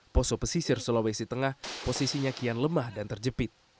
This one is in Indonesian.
poso pesisir sulawesi tengah posisinya kian lemah dan terjepit